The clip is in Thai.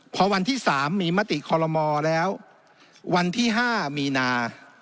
พอวันที่๓มีมติคอลโลมอแล้ววันที่๕มีนา